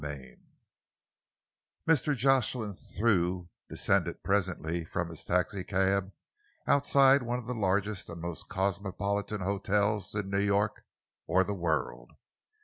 CHAPTER III Mr. Jocelyn Thew descended presently from his taxicab outside one of the largest and most cosmopolitan hotels in New York or the world.